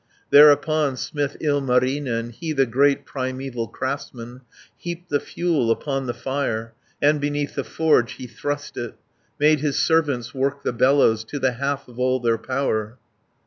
Thereupon smith Ilmarinen, He the great primeval craftsman, Heaped the fuel upon the fire, And beneath the forge he thrust it, 310 Made his servants work the bellows, To the half of all their power.